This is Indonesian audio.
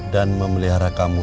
dan memelihara kamu